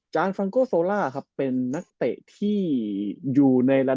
ฟังฟังโกโซล่าครับเป็นนักเตะที่อยู่ในระดับ